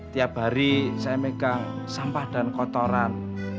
tiap hari saya megang sampah dan kotoran